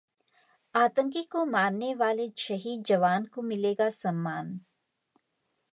आतंकी को मारने वाले शहीद जवान को मिलेगा सम्मान